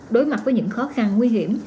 đối mặt với những khó khăn nguy hiểm